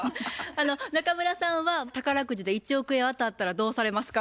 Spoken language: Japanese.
中村さんは宝くじで１億円当たったらどうされますか？